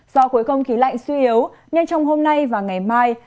do khối không khí lạnh suy yếu nên trong hôm nay và ngày mai